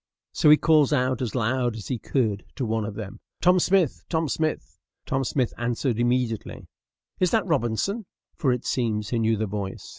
So he calls out as loud as he could to one of them, "Tom Smith! Tom Smith!" Tom Smith answered immediately, "Is that Robinson?" for it seems he knew the voice.